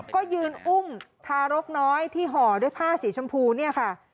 ก็ยืนอุ้มทารกน้อยที่ห่อด้วยผ้าสีชมพูเนี่ยค่ะ